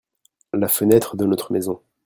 La fenêtre de notre maison.